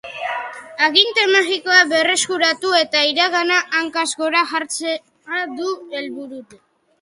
Aginte magikoa berreskuratu eta iragana hankaz gora jartzea dute helburu.